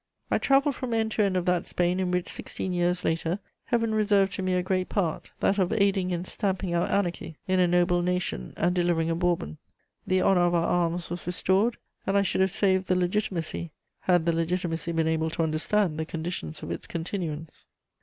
I travelled from end to end of that Spain in which, sixteen years later, Heaven reserved to me a great part, that of aiding in stamping out anarchy in a noble nation and delivering a Bourbon: the honour of our arms was restored, and I should have saved the Legitimacy, had the Legitimacy been able to understand the conditions of its continuance.